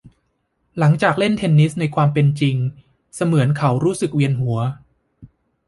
หลังจากเล่นเทนนิสในความเป็นจริงเสมือนเขารู้สึกเวียนหัว